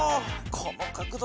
ここの角度